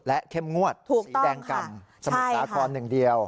และเข้มงวดสีแดงกำสมุทรสาครหนึ่งเดียว